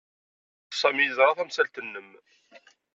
Sami yeẓra tamsalt-nnem.